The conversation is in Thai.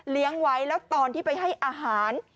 เลี้ยงไว้แล้วตอนที่ไปให้อาหาร